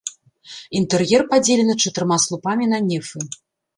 Інтэр'ер падзелены чатырма слупамі на нефы.